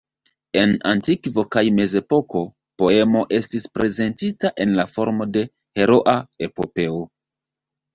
En antikvo kaj mezepoko poemo estis prezentita en la formo de heroa epopeo.